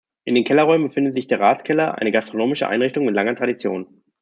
In den Kellerräumen befindet sich der Ratskeller, eine gastronomische Einrichtung mit langer Tradition.